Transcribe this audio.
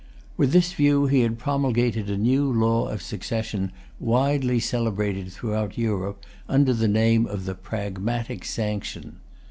With this view he had promulgated a new law of succession, widely celebrated throughout Europe under the name of the Pragmatic Sanction.